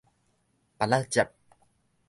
菝仔汁